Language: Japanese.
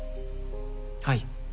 はい。